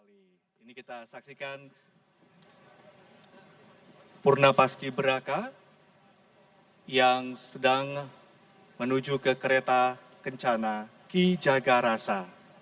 kali ini kita saksikan purna paski beraka yang sedang menuju ke kereta kencana ki jagarasa